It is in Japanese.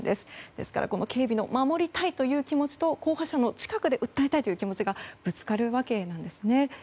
ですから警備側の守りたいという気持ちの候補者の近くで訴えたいという気持ちがぶつかるわけなんですね。